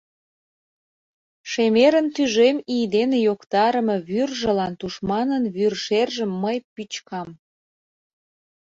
Шемерын тӱжем ий дене йоктарыме вӱржылан тушманын вӱршержым мый пӱчкам.